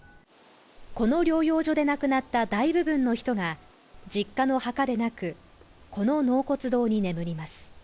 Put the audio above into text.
この療養所で亡くなった大部分の人が実家の墓でなくこの納骨堂に眠ります。